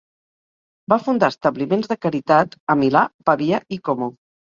Va fundar establiments de caritat a Milà, Pavia i Como.